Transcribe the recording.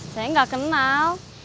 saya gak kenal